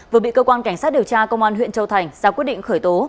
vừa bị cơ quan cảnh sát điều tra công an huyện châu thành ra quyết định khởi tố